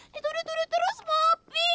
dituduh tuduh terus mau opi